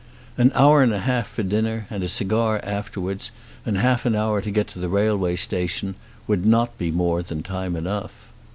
An hour and a half for dinner and a cigar afterwards, and half an hour to get to the railway station would not be more than time enough.